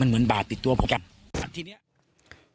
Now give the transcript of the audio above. คุณสังเงียมต้องตายแล้วคุณสังเงียม